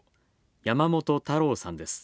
山本太郎さんです。